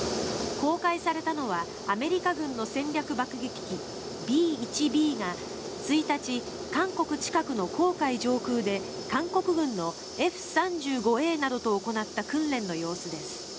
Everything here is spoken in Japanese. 公開されたのはアメリカ軍の戦略爆撃機Ｂ１Ｂが１日、韓国近くの黄海上空で韓国軍のＦ３５などと行った訓練の様子です。